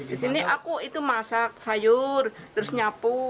di sini aku itu masak sayur terus nyapu